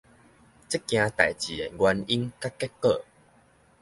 這件代誌的原因佮結果